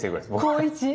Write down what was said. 高１。